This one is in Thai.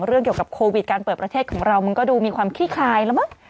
เรื่องเกี่ยวกับโควิดการเปิดประเทศของเรามันก็ดูมีความขี้คลายแล้วมั้ง